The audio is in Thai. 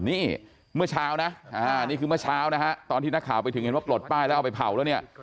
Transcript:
นี่เมื่อเช้านะนี่คือเมื่อเช้านะฮะตอนที่นักข่าวไปถึงเห็นว่าปลดป้ายแล้วเอาไปเผาแล้วเนี่ย